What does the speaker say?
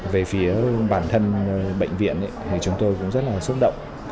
về phía bản thân bệnh viện thì chúng tôi cũng rất là xúc động